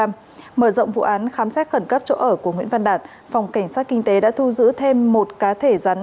mở rộng vụ án khám xét khẩn cấp chỗ ở của nguyễn văn đạt phòng cảnh sát kinh tế đã thu giữ thêm một cá thể rắn